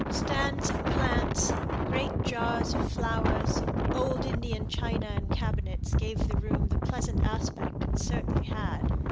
Stands of plants, great jars of flowers, old Indian china and cabinets gave the room the pleasant aspect it certainly had.